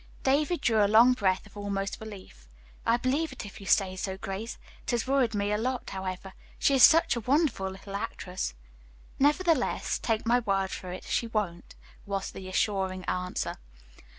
David drew a long breath of almost relief. "I believe it if you say so, Grace; it has worried me a lot, however. She is such a wonderful little actress." "Nevertheless, take my word for it, she won't," was the assuring answer.